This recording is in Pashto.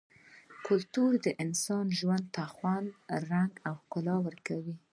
کلتور د انسان ژوند ته خوند ، رنګ او ښکلا ورکوي -